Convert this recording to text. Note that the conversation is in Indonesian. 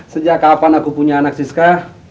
sejak kapan aku punya anak siska